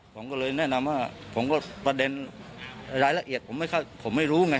ผมก็เลยแนะนำว่าผมก็ประเด็นรายละเอียดผมไม่รู้ไง